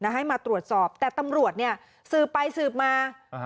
ให้มาตรวจสอบแต่ตำรวจเนี่ยสืบไปสืบมา